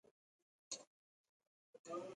خوشالۍ در څخه پټې کړي .